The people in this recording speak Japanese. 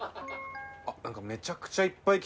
あっなんかめちゃくちゃいっぱいきた。